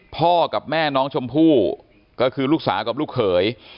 พ่อกับแม่น้องชมพู่ก็คือลูกสาวกับลูกเขย